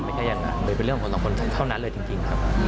ไม่ใช่อย่างนั้นมันเป็นเรื่องคนสองคนเท่านั้นเลยจริงครับ